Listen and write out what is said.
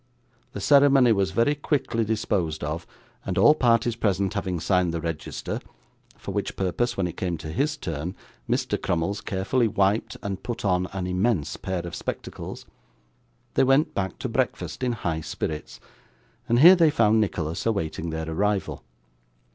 The ceremony was very quickly disposed of, and all parties present having signed the register (for which purpose, when it came to his turn, Mr. Crummles carefully wiped and put on an immense pair of spectacles), they went back to breakfast in high spirits. And here they found Nicholas awaiting their arrival.